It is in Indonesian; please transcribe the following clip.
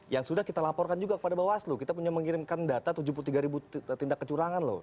yang sudah kita laporkan juga kepada bawaslu kita punya mengirimkan data tujuh puluh tiga ribu tindak kecurangan loh